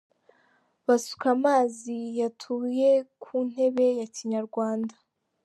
Basuka amazi yatuye ku ntebe ya kinyarwanda.